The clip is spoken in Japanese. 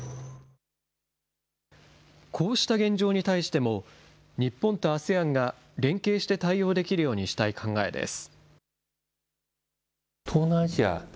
こうした現状に対しても、日本とＡＳＥＡＮが連携して対応できるようにしたい考えです。